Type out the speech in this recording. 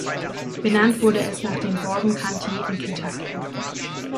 Benannt wurde es nach dem Bourbon County in Kentucky.